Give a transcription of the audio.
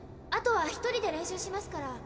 あとは１人で練習しますから。